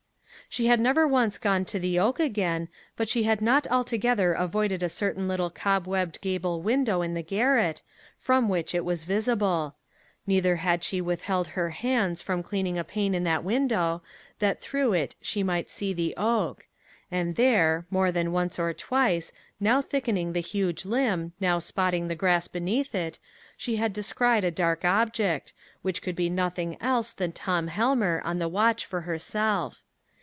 She had never once gone to the oak again, but she had not altogether avoided a certain little cobwebbed gable window in the garret, from which it was visible; neither had she withheld her hands from cleaning a pane in that window, that through it she might see the oak; and there, more than once or twice, now thickening the huge limb, now spotting the grass beneath it, she had descried a dark object, which could be nothing else than Tom Helmer on the watch for herself.